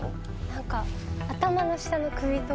何か頭の下の。